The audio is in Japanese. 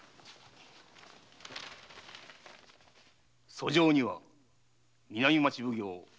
訴状には南町奉行大岡